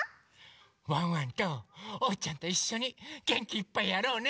ワンワンとおうちゃんといっしょにげんきいっぱいやろうね。